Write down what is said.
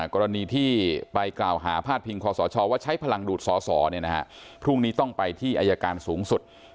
กรณีที่ไปกล่าวหาพาดพิงคอสชว่าใช้พลังดูดสอสอพรุ่งนี้ต้องไปที่อายการสูงสุด